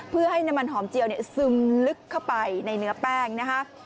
เพื่อให้น้ำมันหอมเจียวซึมลึกเข้าไปในเนื้อแป้งนะคะ